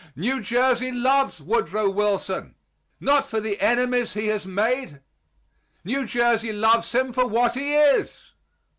New Jersey loves Woodrow Wilson not for the enemies he has made. New Jersey loves him for what he is.